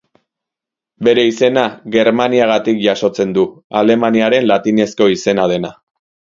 Bere izena, Germaniagatik jasotzen du, Alemaniaren latinezko izena dena.